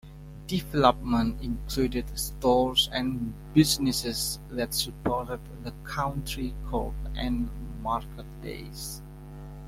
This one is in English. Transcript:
Development included stores and businesses that supported the county court and market days.